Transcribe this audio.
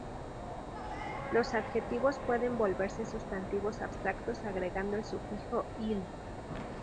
Los adjetivos pueden volverse sustantivos abstractos agregando el sufijo -il.